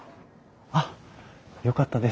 あっよかったです。